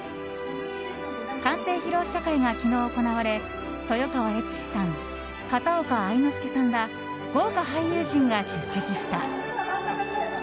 完成披露試写会が昨日行われ豊川悦司さん、片岡愛之助さんら豪華俳優陣が出席した。